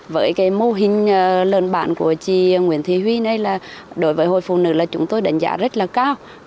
với cái mô hình lần bản của chị nguyễn thị huy nay là đối với hội phụ nữ là chúng tôi đánh giá rất là cao